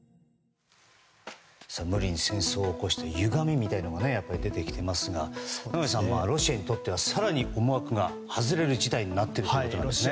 無理に戦争を起こしたゆがみみたいなものがやっぱり出てきていますがロシアにとっては更に思惑が外れる事態になっているということなんですね。